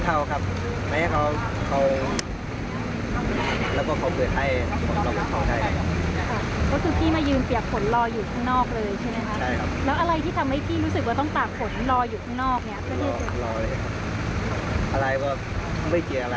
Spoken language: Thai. เพราะทุกที่ช่วยตามผลลังรออยู่ข้างนอกเลย